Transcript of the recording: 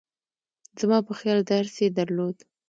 زما په خیال درس یې درلود.